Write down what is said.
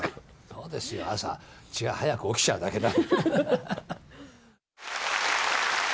そうですよ、朝、私が早く起きちゃうだけだ。